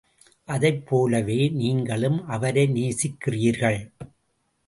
அதைப் போலவே நீங்களும் அவரை நேசிக்கிறீர்கள்.